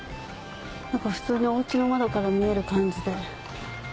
何か普通のおうちの窓から見える感じで。